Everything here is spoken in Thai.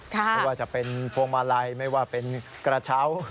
ไม่ว่าจะเป็นพวงมาลัยไม่ว่าเป็นกระเช้า